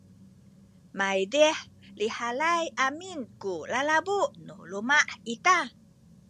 maydih lihalay amin ku lalabu nu luma’ ita